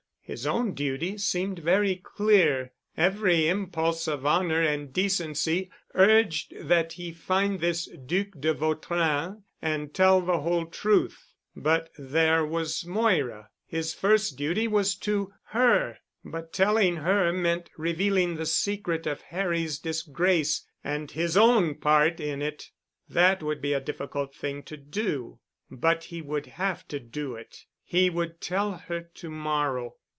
His own duty seemed very clear. Every impulse of honor and decency urged that he find this Duc de Vautrin and tell the whole truth. But there was Moira ... his first duty was to her. But telling her meant revealing the secret of Harry's disgrace and his own part in it. That would be a difficult thing to do, but he would have to do it. He would tell her to morrow.